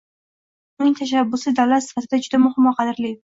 Uning tashabbusli davlat sifatida, juda muhim va qadrli.